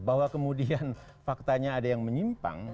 bahwa kemudian faktanya ada yang menyimpang